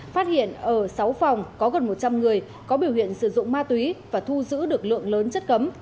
phát hiện ở sáu phòng có gần một trăm linh người có biểu hiện sử dụng ma túy và thu giữ được lượng lớn chất cấm